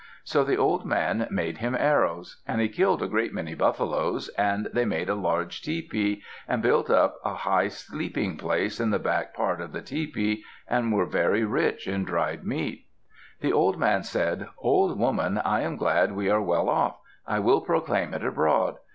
So the old man made him arrows, and he killed a great many buffaloes, and they made a large tepee, and built up a high sleeping place in the back part of the tepee, and were very rich in dried meat. The old man said, "Old woman, I am glad we are well off; I will proclaim it abroad."